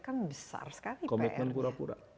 kan besar sekali pr nya komitmen pura pura